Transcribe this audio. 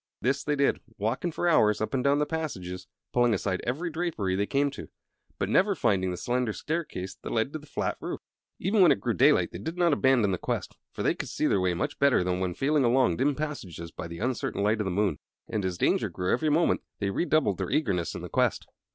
This they did, walking for hours up and down the passages, pulling aside every drapery they came to, but never finding the slender staircase that led to the flat roof. Even when it grew daylight they did not abandon the quest; for they could see their way much better than when feeling along dim passages by the uncertain light of the moon; and, as the danger grew every moment, they redoubled their eagerness in the quest.